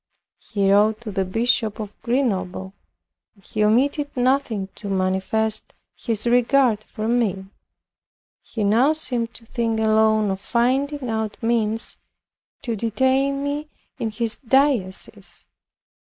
He wrote to the Bishop of Grenoble; and he omitted nothing to manifest his regard for me. He now seemed to think alone of finding out means to detain me in his diocese.